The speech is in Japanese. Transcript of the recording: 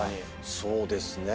そうですね。